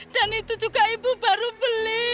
dan itu juga ibu baru beli